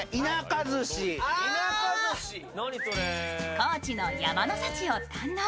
高知の山の幸を堪能。